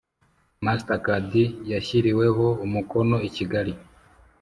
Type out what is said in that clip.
Mastercard yashyiriweho umukono i kigali